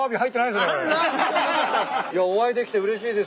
いやお会いできてうれしいです。